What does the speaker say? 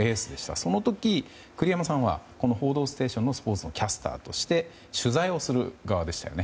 その時、栗山さんはこの「報道ステーション」のスポーツのキャスターとして取材をする側でしたよね。